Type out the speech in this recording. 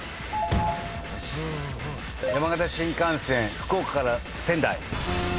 山形新幹線福島から仙台。